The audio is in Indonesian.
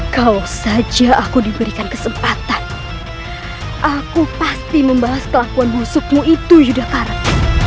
kau saja aku diberikan kesempatan aku pasti membahas kelakuan musuhmu itu yudhakarat